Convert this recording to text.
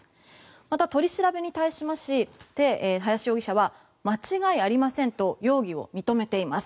また、取り調べに対しまして林容疑者は、間違いありませんと容疑を認めています。